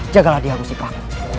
jagalah dia rusiklah